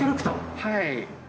はい。